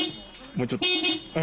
もうちょっと。